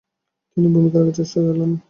তিনি ভূমিকা রাখার চেষ্টা চালান।